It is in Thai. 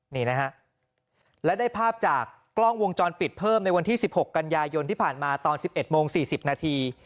นี่นะฮะและได้ภาพจากกล้องวงจรปิดเพิ่มในวันที่๑๖กันยายนที่ผ่านมาตอน๑๑โมง๔๐นาที